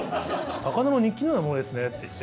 「魚の日記のようなものですね」って言って。